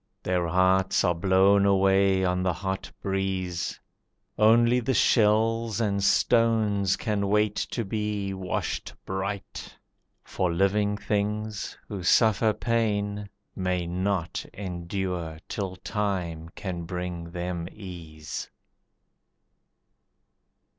Their hearts are blown away on the hot breeze. Only the shells and stones can wait to be Washed bright. For living things, who suffer pain, May not endure till time can bring them ease.